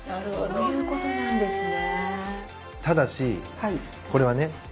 そういう事なんですね。